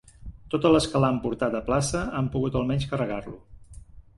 Totes les que l'han portat a plaça han pogut almenys carregar-lo.